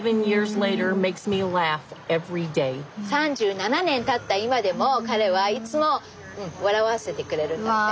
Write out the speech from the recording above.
３７年たった今でも彼はいつも笑わせてくれるんだって。